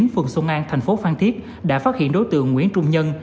phường xuân an thành phố phan thiết đã phát hiện đối tượng nguyễn trung nhân